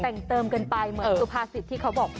แต่งเติมกันไปเหมือนสุภาษิตที่เขาบอก